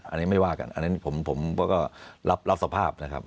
อันนี้ไม่ว่ากันอันนี้ผมก็รับสภาพนะครับ